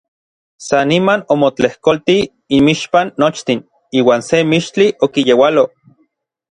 San niman omotlejkoltij inmixpan nochtin iuan se mixtli okiyeualoj.